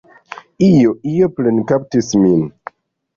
Io, io plenkaptis min.